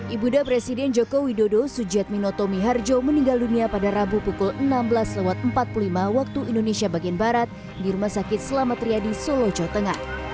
ibu da presiden jokowi dodo sujiatminoto miharjo meninggal dunia pada rabu pukul enam belas empat puluh lima waktu indonesia bagian barat di rumah sakit selamat triadi solo jawa tengah